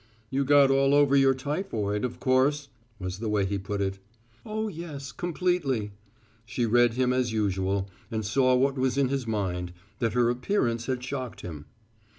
"You got all over your typhoid, of course," was the way he put it. "Oh, yes, completely." She read him as usual, and saw what was in his mind, that her appearance had shocked him.